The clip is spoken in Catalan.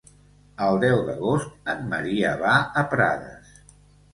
El deu d'agost en Maria va a Prades.